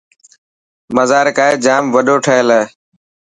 مزار قائد جام وڏو ٺهيل هي.